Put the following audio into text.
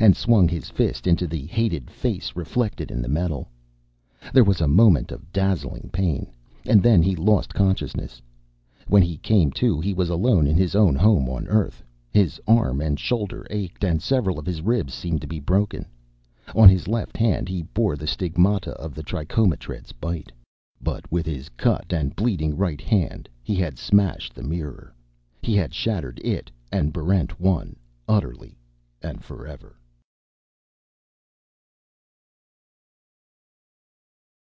And swung his fist into the hated face reflected in the metal. There was a moment of dazzling pain, and then he lost consciousness. When he came to, he was alone in his own home on Earth. His arm and shoulder ached, and several of his ribs seemed to be broken. On his left hand he bore the stigmata of the trichomotred's bite. But with his cut and bleeding right hand he had smashed the mirror. He had shattered it and Barrent 1 utterly and forever.